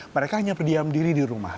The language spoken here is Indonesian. mereka hanya berdiam diri di rumah